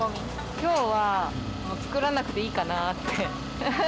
きょうはもう作らなくていいかなって。